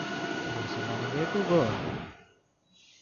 There is a long way to go.